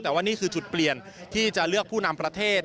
แต่ว่านี่คือจุดเปลี่ยนที่จะเลือกผู้นำประเทศ